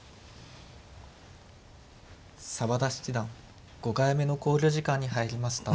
澤田七段５回目の考慮時間に入りました。